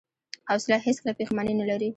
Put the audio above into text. حوصله هیڅکله پښېماني نه لري.